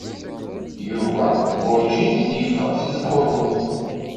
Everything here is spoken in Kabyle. Yuba werǧin ad d-yeffeɣ seg tkurmut.